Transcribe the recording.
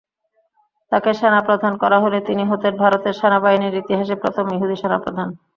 তাঁকে সেনাপ্রধান করা হলে তিনি হতেন ভারতের সেনাবাহিনীর ইতিহাসে প্রথম ইহুদি সেনাপ্রধান।